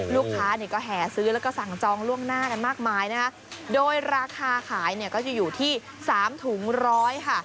ลูกค้าเนี่ยก็แห่ซื้อแล้วก็สั่งจองล่วงหน้ากันมากมายนะคะโดยราคาขายเนี่ยก็จะอยู่ที่สามถุงร้อยค่ะ